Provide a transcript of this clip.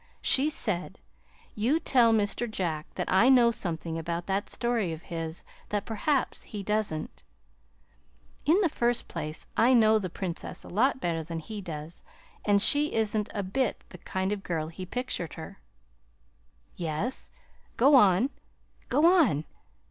"She said: 'You tell Mr. Jack that I know something about that story of his that perhaps he doesn't. In the first place, I know the Princess a lot better than he does, and she isn't a bit the kind of girl he's pictured her." "Yes! Go on go on!"